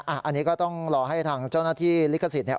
อันนี้ก็ต้องรอให้ทางเจ้าหน้าที่ลิขสิทธิ์